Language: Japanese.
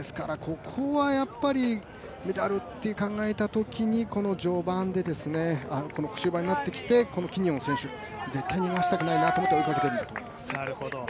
ですからここはやっぱりメダルって考えたときにこの序盤で、この中盤になってきて、キニオン選手絶対に逃したくないなっていうことで追いかけているんだと思います。